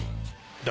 だ